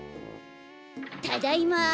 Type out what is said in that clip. ただいま。